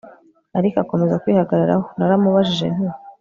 ariko akomeza kwihagararaho Naramubajije nti